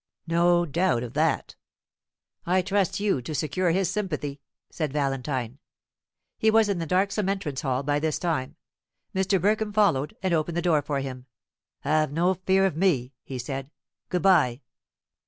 "No doubt of that." "I trust to you to secure his sympathy," said Valentine. He was in the darksome entrance hall by this time. Mr. Burkham followed, and opened the door for him. "Have no fear of me," he said. "Good bye."